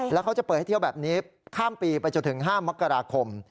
แล้วเขาจะเปิดให้เที่ยวแบบนี้ข้ามปีไปจนถึง๕มกราคม